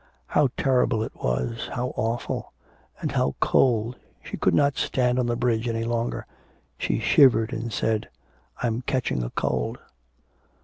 How terrible it was, how awful and how cold, she could not stand on the bridge any longer. She shivered and said, 'I'm catching a cold.'